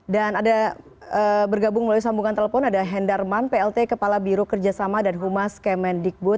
dan ada bergabung melalui sambungan telepon ada hendarman plt kepala biro kerjasama dan humas kemen dikbud